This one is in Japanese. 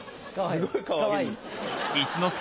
すごいかわいい。